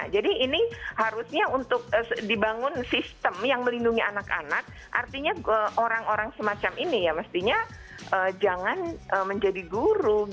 jadi ini harusnya untuk dibangun sistem yang melindungi anak anak artinya orang orang semacam ini ya mestinya jangan menjadi guru